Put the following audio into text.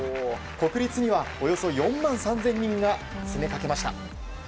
国立にはおよそ４万３０００人が詰めかけました。